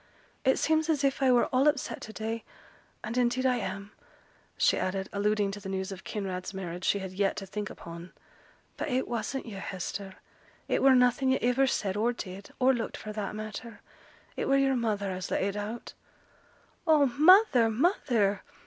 'It seems as if I were all upset to day; and indeed I am;' she added, alluding to the news of Kinraid's marriage she had yet to think upon. 'But it wasn't yo', Hester: it were nothing yo' iver said, or did, or looked, for that matter. It were yo'r mother as let it out.' 'Oh, mother! mother!'